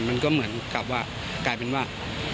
มันก็เหมือนกลายเป็นว่า